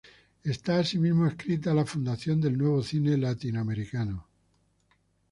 Está asimismo adscrita a la Fundación del Nuevo Cine Latinoamericano.